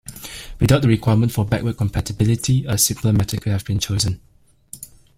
Without the requirement for backward compatibility, a simpler method could have been chosen.